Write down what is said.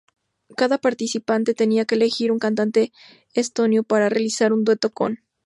Cada participante tenía que elegir un cantante estonio para realizar un dueto con.